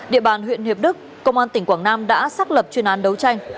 địa bàn huyện hiệp đức công an tp hcm đã xác lập chuyên án đấu tranh